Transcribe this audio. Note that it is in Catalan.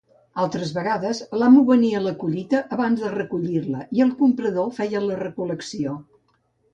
Altres vegades l'amo venia la collita abans de recollir-la i el comprador feia la recol·lecció.